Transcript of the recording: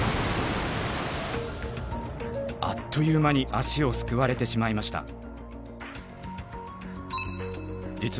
あっという間に足をすくわれてしまいました。